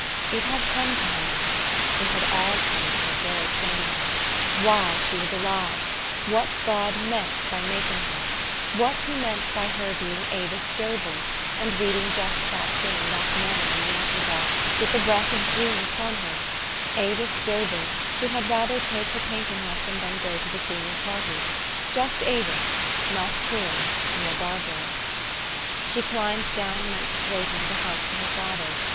It had come to her now it had all come to her very plainly why she was ah' ve ; what God meant by 58 THE STORY OF AVIS. making her; what he meant by her being Avis Dobell, and reading just that thing that morning in the apple boughs, with the breath of June upon her, Avis Dobell, who had rather take her painting lesson than go to the senior party, just Avis, not Coy, nor Barbara. She climbed down, and went straight into the house to her father.